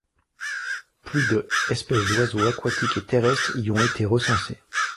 Plus de espèces d’oiseaux aquatiques et terrestres y ont été recensées.